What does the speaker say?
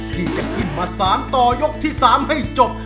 ที่จะขึ้นมาสารต่อยกที่๓ให้จบ